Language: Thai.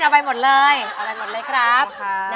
เอาไปหมดเลยครับ